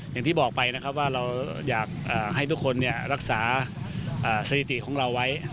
อย่างที่บอกไปนะครับว่าเราอยากให้ทุกคนรักษาสถิติของเราไว้